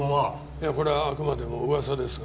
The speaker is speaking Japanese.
いやこれはあくまでも噂ですが。